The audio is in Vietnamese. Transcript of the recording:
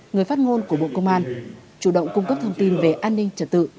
người phát ngôn của bộ công an chủ động cung cấp thông tin về an ninh trật tự